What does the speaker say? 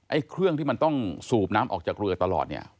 เครื่องที่มันต้องสูบน้ำออกจากเรือตลอดเนี่ย